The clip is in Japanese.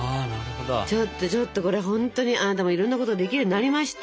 ちょっとちょっとこれほんとにあなたもいろんなことできるようになりました。